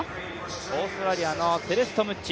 オーストラリアのセレスト・ムッチ。